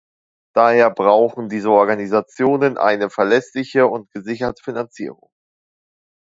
Daher brauchen diese Organisationen eine verlässliche und gesicherte Finanzierung.